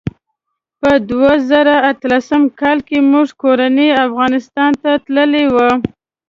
په دوه زره اتلسم کال کې موږ کورنۍ افغانستان ته تللي وو.